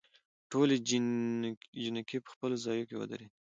ټولې جینکې په خپلو ځايونوکې ودرېدي.